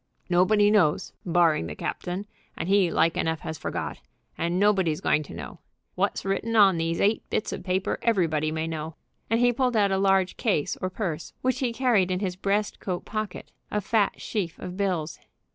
Nobody knows, barring the captain, and he like enough has forgot, and nobody's going to know. What's written on these eight bits of paper everybody may know," and he pulled out of a large case or purse, which he carried in his breast coat pocket, a fat sheaf of bills.